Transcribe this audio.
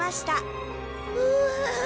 うわ！